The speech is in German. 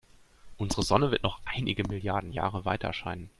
Unsere Sonne wird noch einige Milliarden Jahre weiterscheinen.